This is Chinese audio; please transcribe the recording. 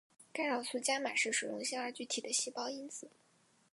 干扰素伽玛是水溶性二聚体的细胞因子。